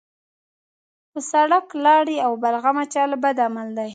په سړک لاړې او بلغم اچول بد عمل دی.